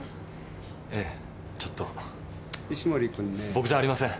僕じゃありません！